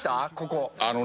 ここ。